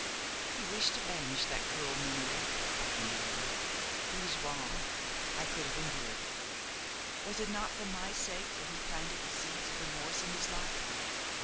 "He wished to banish that cruel memory," thought Indiana. "He was wrong, I could have endured it. Was it not for my sake that he planted the seeds of remorse in his life?